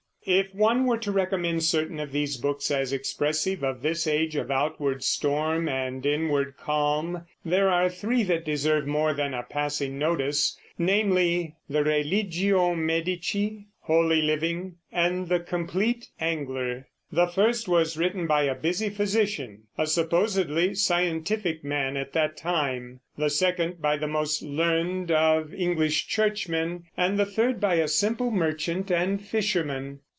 If one were to recommend certain of these books as expressive of this age of outward storm and inward calm, there are three that deserve more than a passing notice, namely, the Religio Medici, Holy Living, and The Compleat Angler. The first was written by a busy physician, a supposedly scientific man at that time; the second by the most learned of English churchmen; and the third by a simple merchant and fisherman.